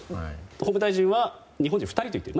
法務大臣は日本人２人と言っている。